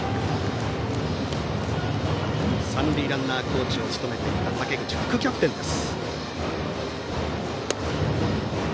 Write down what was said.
三塁ランナーコーチを務めていた竹口副キャプテンです。